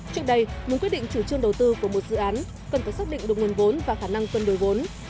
trước đây muốn quyết định chủ trương đầu tư của một dự án cần phải xác định được nguồn vốn và khả năng cân đổi vốn